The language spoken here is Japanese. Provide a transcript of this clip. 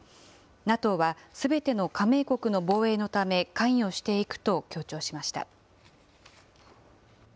ＮＡＴＯはすべての加盟国の防衛のため関与していくと強調しました。